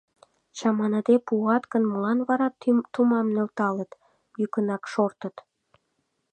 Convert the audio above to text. Чаманыде пуат гын, молан вара тумам нӧлталыт, йӱкынак шортыт?